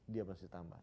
dia mesti tambah